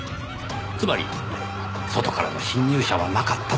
つまり外からの侵入者はなかったというわけです。